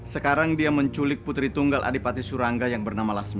sekarang dia menculik putri tunggal adipati surangga yang bernama lasmi